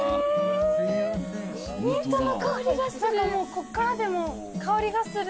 こっからでも香りがする。